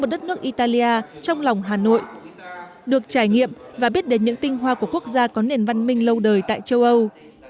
chúng ta sẽ thấy một đất nước italia trong lòng hà nội được trải nghiệm và biết đến những tinh hoa của quốc gia có nền văn minh lâu đời tại châu âu